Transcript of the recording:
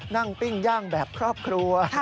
ปิ้งย่างแบบครอบครัว